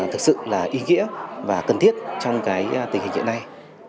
thực sự là ý nghĩa và cần thiết trong tình hình hiện nay